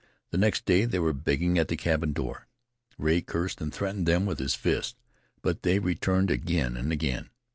The next day they were begging at the cabin door. Rea cursed and threatened them with his fists, but they returned again and again.